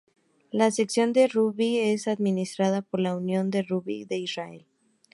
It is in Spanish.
La selección de rugby es administrada por la "Unión de Rugby de Israel".